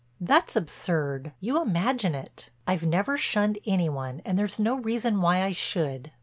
"That's absurd, you imagine it. I've never shunned any one and there's no reason why I should."